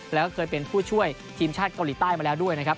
แล้วก็เคยเป็นผู้ช่วยทีมชาติเกาหลีใต้มาแล้วด้วยนะครับ